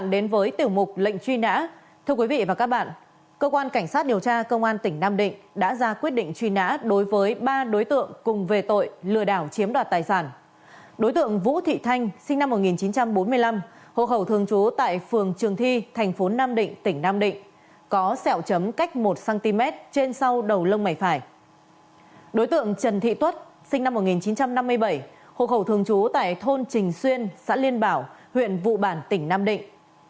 đối tượng trần thị tuất sinh năm một nghìn chín trăm năm mươi bảy hộ khẩu thường trú tại thôn trình xuyên xã liên bảo huyện vụ bản tỉnh nam định